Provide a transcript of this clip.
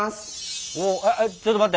ちょっと待って。